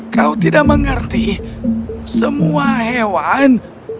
kau tidak mengerti semua hewan